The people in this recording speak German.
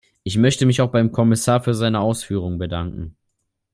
Ich möchte mich auch beim Kommissar für seine Ausführungen bedanken.